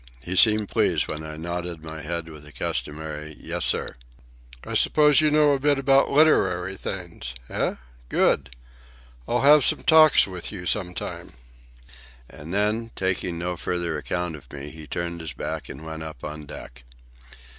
He seemed pleased when I nodded my head with the customary "Yes, sir." "I suppose you know a bit about literary things? Eh? Good. I'll have some talks with you some time." And then, taking no further account of me, he turned his back and went up on deck.